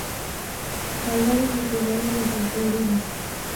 Álvarez de Toledo resultó herida.